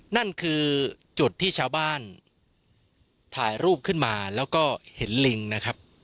นั่นคือจุดที่ชาวบ้านถ่ายรูปขึ้นมาแล้วก็เห็นลิงนะครับ